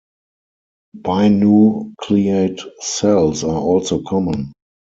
Binucleate cells are also common.